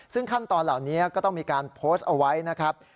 ซึ่งขั้นตอนเหล่านี้ก็ต้องมีการโพสต์เอาไว้นะครับ